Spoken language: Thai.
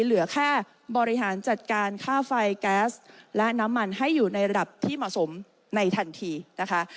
เหลือแค่บริหารจัดการค่าไฟแก๊สและน้ำมันให้อยู่ในระดับที่เหมาะสมในทันทีนะคะ